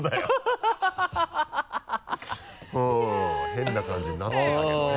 変な感じになってたけどね。